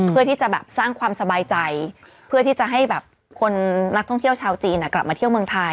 เพื่อที่จะแบบสร้างความสบายใจเพื่อที่จะให้แบบคนนักท่องเที่ยวชาวจีนกลับมาเที่ยวเมืองไทย